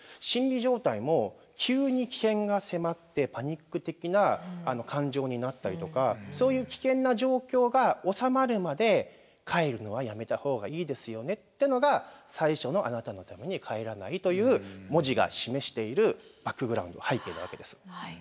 心理状態も急に危険が迫ってパニック的な感情になったりとかそういう危険な状況が収まるまで帰るのはやめた方がいいですよねっていうのが最初の「あなたのために、帰らない」という文字が示しているバックグラウンド背景なわけです。